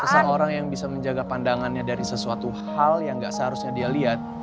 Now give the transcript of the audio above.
seseorang yang bisa menjaga pandangannya dari sesuatu hal yang nggak seharusnya dia lihat